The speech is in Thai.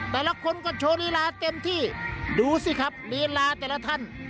แต่ละคนก็โชว์ลีลาเต็มที่ดูสิครับลีลาแต่ละท่าน